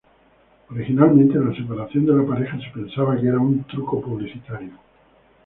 Originalmente, la separación de la pareja se pensaba que era un truco publicitario.